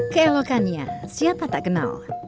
keelokannya siapa tak kenal